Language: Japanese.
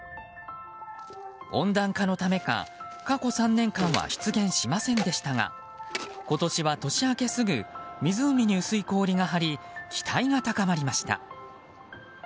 温暖化のためか、過去３年間は出現しませんでしたが今年は年明けすぐ湖に薄い氷が張り期待が高まりました。